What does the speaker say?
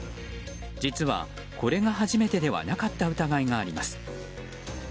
実は、これが初めてではなかった疑いがあります。